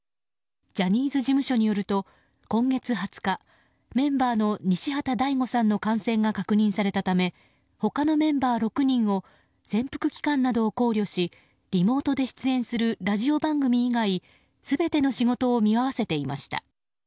ジャニーズ事務所によると今月２０日メンバーの西畑大吾さんの感染が確認されたため他のメンバー６人を潜伏期間などを考慮しリモートで出演するラジオ番組以外全ての仕事を見合わせていました。